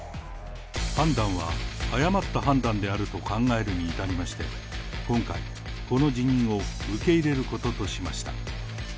判断は誤った判断であると考えるに至りまして、今回、この辞任を受け入れることとしました。